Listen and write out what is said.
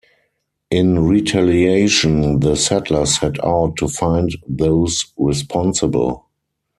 In retaliation, the settlers set out to find those responsible.